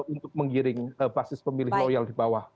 untuk menggiring basis pemilih loyal di bawah